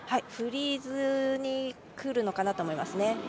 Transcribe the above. フリーズにくるのかなと思います。